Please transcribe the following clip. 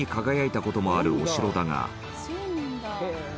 そうなんだ。